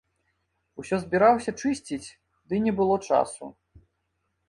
Усё збіраўся чысціць, ды не было часу.